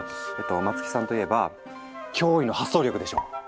松木さんといえば驚異の発想力でしょ！